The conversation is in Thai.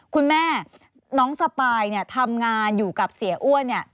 คุณแม่น้องสปายทำงานอยู่กับเสียอ้วนเนี่ย